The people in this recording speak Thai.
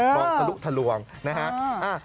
บอกสะดุกทะลวงนะครับ